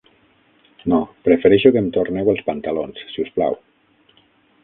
No, prefereixo que em torneu els pantalons, si us plau.